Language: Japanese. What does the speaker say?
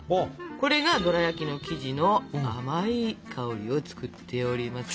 これがドラやきの生地の甘い香りを作っております。